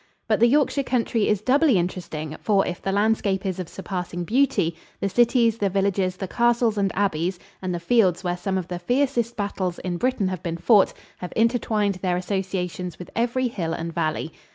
But the Yorkshire country is doubly interesting, for if the landscape is of surpassing beauty, the cities, the villages, the castles and abbeys, and the fields where some of the fiercest battles in Britain have been fought, have intertwined their associations with every hill and valley.